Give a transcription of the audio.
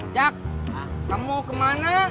cak kamu mau kemana